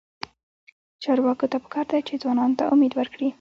چارواکو ته پکار ده چې، ځوانانو ته امید ورکړي.